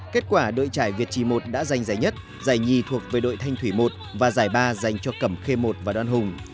kết quả đội trải việt trì một đã giành giải nhất giải nhì thuộc về đội thanh thủy một và giải ba dành cho cẩm khê một và đoàn hùng